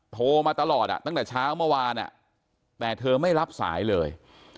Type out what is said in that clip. โทรมาตลอดตั้งแต่เช้าเมื่อวานแต่เธอไม่รับสายเลย